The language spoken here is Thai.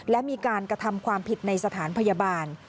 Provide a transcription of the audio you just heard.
และมีการกระทำความผิดในสถานพยาบาล